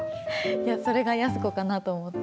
それが安子かなと思って。